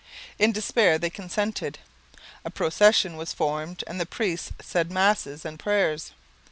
In despair they consented. A procession was formed and the priests said Masses and prayers.